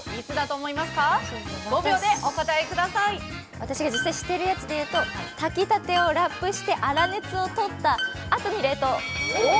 私が実際しているやつでいうと炊きたてをラップして、粗熱を取ったあとに冷凍！